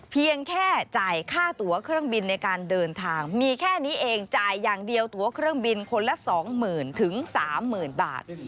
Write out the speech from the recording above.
เพียงแค่จ่ายค่าตัวเครื่องบินในการเดินทางมีแค่นี้เองจ่ายอย่างเดียวตัวเครื่องบินคนละ๒๐๐๐๓๐๐๐บาท